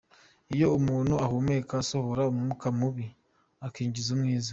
Iyo umuntu ahumeka asohora umwuka mubi, akinjiza umwiza.